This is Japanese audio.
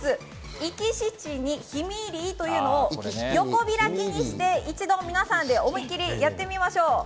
「いちきしにひみいりい」というのを横開きにして皆さんで思い切りやってみましょう。